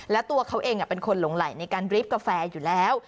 และตัวเขาเองเป็นคนหลงไหลในการบรีฟกาแฟอยู่แล้ว